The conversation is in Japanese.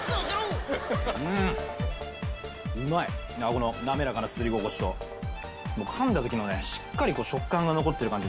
この滑らかなすすり心地とかんだ時の食感が残ってる感じ